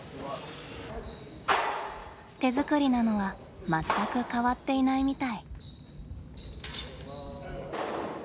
手作りなのは全く変わっていないみたい。